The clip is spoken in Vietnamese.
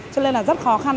cho nên là rất khó khăn